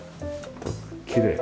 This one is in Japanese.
きれい。